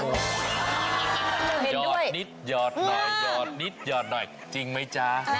หยอดนิดหยอดหน่อยหยอดนิดหยอดหน่อยจริงไหมจ๊ะ